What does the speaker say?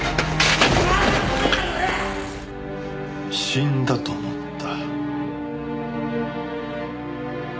死んだと思った？